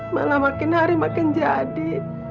malah makin hari makin jadi